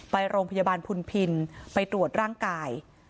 ไปโรงพยาบาลพุนพินไปตรวจร่างกาย